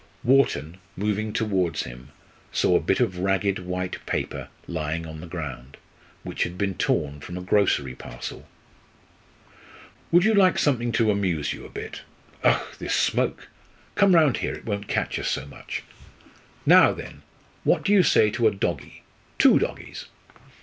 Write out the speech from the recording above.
Wharton, moving towards him, saw a bit of ragged white paper lying on the ground, which had been torn from a grocery parcel. "Would you like something to amuse you a bit Ugh! this smoke! Come round here, it won't catch us so much. Now, then, what do you say to a doggie, two doggies?"